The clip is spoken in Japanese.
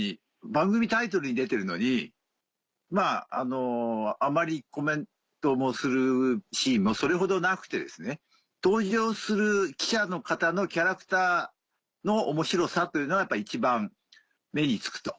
番組タイトルに出てるのにあまりコメントするシーンもそれほどなくてですね登場する記者の方のキャラクターの面白さというのがやっぱり一番目に付くと。